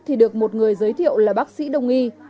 thì được một người giới thiệu là bác sĩ đồng nghi